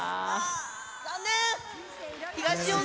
残念！